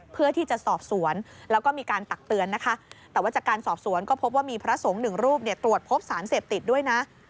เพื่อที่จะสอบสวนแล้วก็มีการตักเตือนนะคะแต่ว่าจากการสอบสวนก็พบว่ามีพระสงฆ์หนึ่งรูปตรวจพบสารเสพติดด้วยนะ